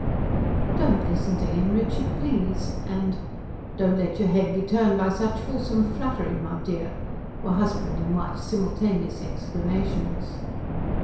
"Don't listen to him, Richard, please!" and: "Don't let your head be turned by such fulsome flattery, my dear!" were wife and husband's simultaneous exclamations.